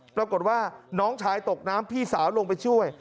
ปรากฏว่าน้องชายตกน้ำพี่สาวลงไปช่วย